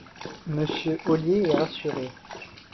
Monsieur Ollier est rassuré